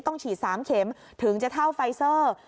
ต้องฉีด๓เข็มถึงจะเท่าไฟเซอร์